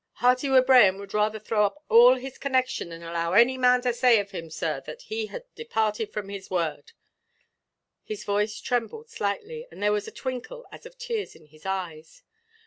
Hearty Wibraham would rather throw up all his connexion than allow any man to say of him, sir, that he had departed from his word." His voice trembled slightly, and there was a twinkle as of tears in his eyes.